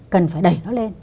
cần phải đẩy nó lên